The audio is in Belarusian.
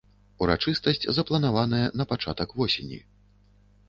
Урачыстасць запланаваная на пачатак восені.